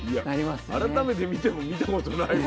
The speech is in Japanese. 改めて見ても見たことないわ。